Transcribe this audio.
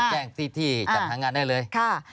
แกล้งสิทธิจัดทางงานได้เลย